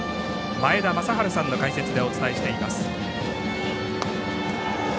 前田正治さんの解説でお伝えしています。